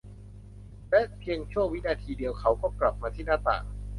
และเพียงชั่ววินาทีเดียว เขาก็กลับมาที่หน้าต่าง